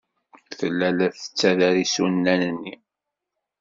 Tella la tettader isunan-nni.